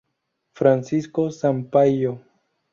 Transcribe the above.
Francisco Sampaio.